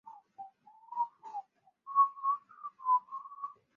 生活于热带海域及亚热带的浅海。